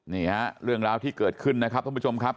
นี่ฮะเรื่องราวที่เกิดขึ้นนะครับท่านผู้ชมครับ